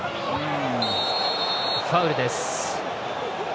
ファウルです。